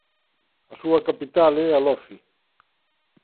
A súa capital é Alofi.